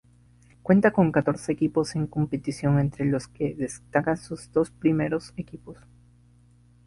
Cuenta con catorce equipos en competición entre los que destacan sus dos primeros equipos.